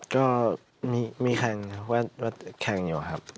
ก็มีแข่งแข่งอยู่ครับ